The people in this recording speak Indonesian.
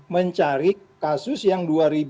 mencari kasus yang